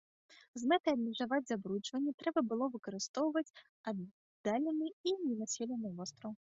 З мэтай абмежаваць забруджванне трэба было выкарыстоўваць аддалены і ненаселены востраў.